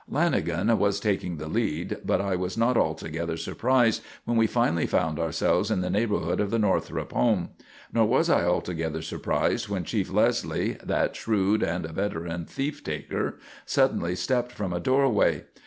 Lanagan was taking the lead, but I was not altogether surprised when we finally found ourselves in the neighbourhood of the Northrup home. Nor was I altogether surprised when Chief Leslie, that shrewd and veteran thief taker, suddenly stepped from a doorway.